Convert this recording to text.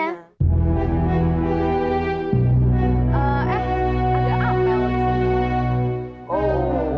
eh ada amel disini